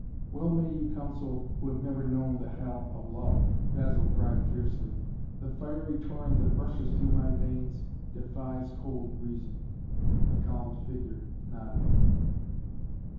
"Well may you counsel who have never known the hell of love!" Basil cried fiercely. "The fiery torrent that rushes through my veins defies cold reason." The cowled figure nodded.